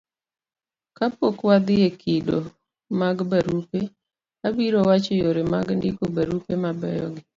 kapok wadhi e kido mag barupe, abiro wacho yore mag ndiko barupe mabeyo gi